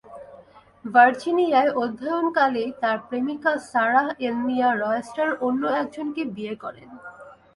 ভার্জিনিয়ায় অধ্যয়নকালেই তার প্রেমিকা সারাহ এলমিরা রয়েস্টার অন্য একজনকে বিয়ে করেন।